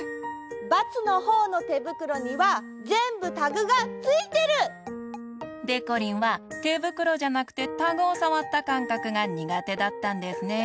バツのほうのてぶくろにはぜんぶタグがついてる！でこりんはてぶくろじゃなくてタグをさわったかんかくがにがてだったんですね。